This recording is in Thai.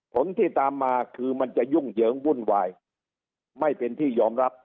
ผลที่ตามมาคือมันจะยุ่งเหยิงวุ่นวายไม่เป็นที่ยอมรับ